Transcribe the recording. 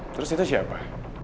terus itu siapa